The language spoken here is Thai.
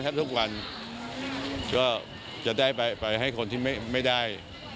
ทุกวันก็จะได้ไปให้คนที่ไม่ได้